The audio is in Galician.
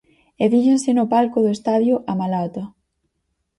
E fíxense no palco do Estadio A Malata.